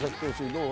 どう？